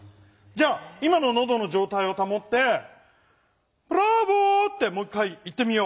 じゃあ今ののどのじょうたいをたもって「ブラボー」ってもう一回言ってみよう。